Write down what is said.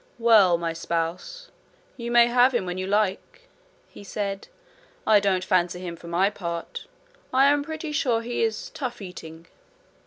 'Well, my spouse, you may have him when you like,' he said. 'I don't fancy him for my part. I am pretty sure he is tough eating.'